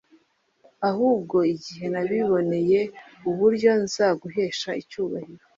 ahubwo igihe nabiboneye uburyo nzaguhesha icyubahiro